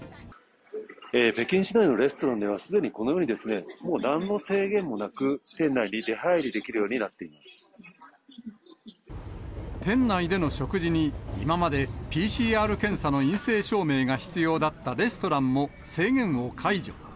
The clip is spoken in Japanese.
北京市内のレストランでは、すでにこのように、もうなんの制限もなく、店内に出はいりできる店内での食事に、今までＰＣＲ検査の陰性証明が必要だったレストランも、制限を解除。